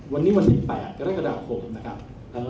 วันนี้วันที่๘กรกฎาคมนะครับ